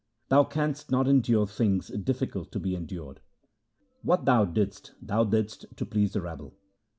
Thou canst not endure things difficult to be endured. What thou didst, thou didst to please the rabble.'